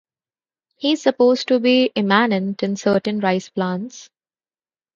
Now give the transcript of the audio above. He is supposed to be immanent in certain rice plants.